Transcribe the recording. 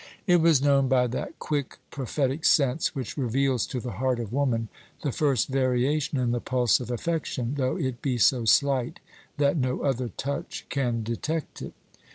It was known by that quick, prophetic sense which reveals to the heart of woman the first variation in the pulse of affection, though it be so slight that no other touch can detect it.